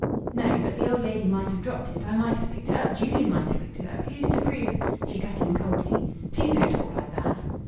"No. But the old lady might have dropped it. I might have picked it up. Julian might have picked it up. Who's to prove " She cut in coldly "Please don't talk like that!"